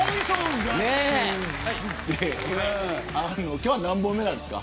今日は何本目ですか。